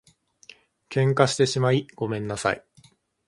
喧嘩してしまいごめんなさい